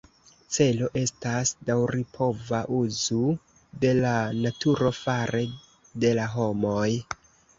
Celo estas daŭripova uzu de la naturo fare de la homoj.